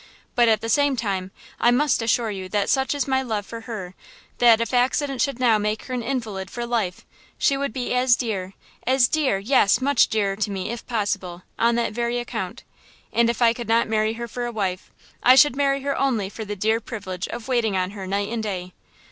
But at the same time I must assure you that such is my love for her that, if accident should now make her an invalid for life, she would be as dear–as dear–yes, much dearer to me, if possible, on that very account; and if I could not marry her for a wife, I should marry her only for the dear privilege of waiting on her night and day.